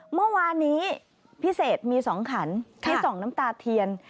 เมื่อวานนี้พิเศษมี๒ขันที่ส่องน้ำตาเทียน